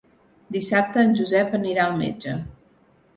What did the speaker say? Dissabte en Josep anirà al metge.